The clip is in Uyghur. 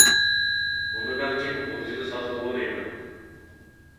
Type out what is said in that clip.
بۇنى بەلكىم غۇلجىدا ساتىدىغۇ دەيمەن.